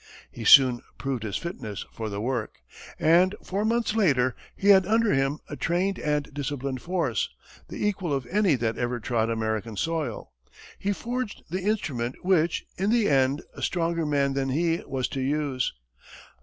He soon proved his fitness for the work, and four months later, he had under him a trained and disciplined force, the equal of any that ever trod American soil. He forged the instrument which, in the end, a stronger man than he was to use.